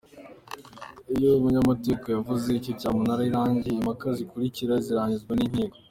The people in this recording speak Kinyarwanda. Uyu munyamategeko yavuze ko iyo cyamunara irangiye, impaka zikurikira zirangizwa n’inkiko.